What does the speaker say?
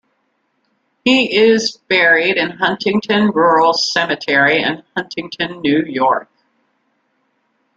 He is buried in Huntington Rural Cemetery in Huntington, New York.